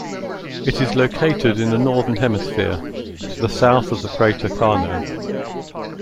It is located in the northern hemisphere, to the south of the crater Carnot.